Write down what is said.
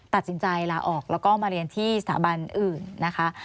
ตัดสินใจลาออกแล้วก็มาเรียนที่สถาบันอื่นนะคะ